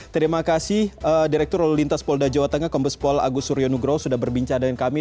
terima kasih direktur lalu lintas polda jawa tengah kombespol agus suryo nugro sudah berbincang dengan kami